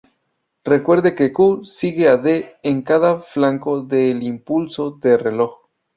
Recuerde que Q sigue a D en cada flanco del impulso de reloj.